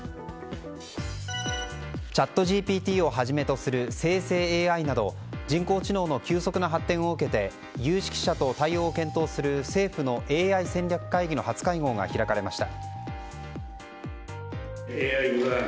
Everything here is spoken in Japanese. チャットＧＰＴをはじめとする生成ＡＩなど人工知能の急速な発展を受けて有識者との対応を検討する政府のＡＩ戦略会議の初会合が開かれました。